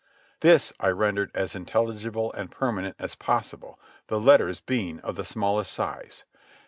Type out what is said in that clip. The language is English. This I rendered as intelligible and permanent as possible, the letters being of the smallest size.